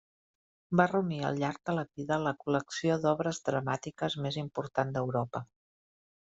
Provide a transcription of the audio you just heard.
Va reunir al llarg de la vida la col·lecció d'obres dramàtiques més important d'Europa.